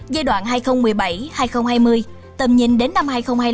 giai đoạn hai nghìn một mươi bảy hai nghìn hai mươi tầm nhìn đến năm hai nghìn hai mươi năm